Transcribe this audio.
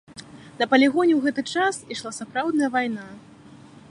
На палігоне ў гэты час ішла сапраўдная вайна.